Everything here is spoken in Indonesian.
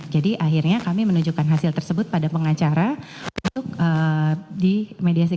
jadi akhirnya kami menunjukkan hasil tersebut pada pengacara untuk dimediasi